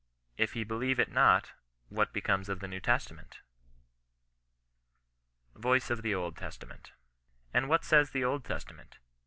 If he believe it not, what becomes of the New Testament ? VOICE OP THE OLD TESTAMaNT. And what says the Old Testament